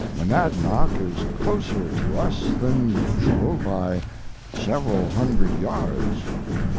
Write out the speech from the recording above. Monadnock is closer to us than usual by several hundred yards.